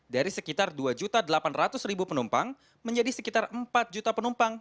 dari sekitar dua delapan ratus penumpang menjadi sekitar empat juta penumpang